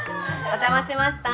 お邪魔しました。